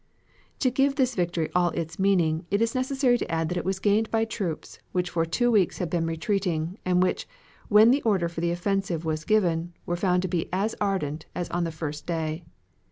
To give this victory all its meaning it is necessary to add that it was gained by troops which for two weeks had been retreating, and which, when the order for the offensive was given, were found to be as ardent as on the first day.